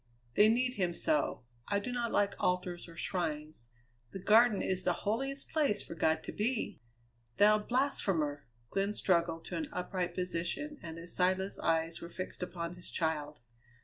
They need him so. I do not like altars or shrines; the Garden is the holiest place for God to be!" "Thou blasphemer!" Glenn struggled to an upright position and his sightless eyes were fixed upon his child.